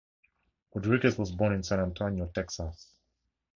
Rodriguez was born in San Antonio, Texas.